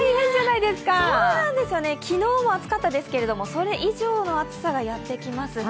昨日も暑かったですけどそれ以上の暑さがやってきます。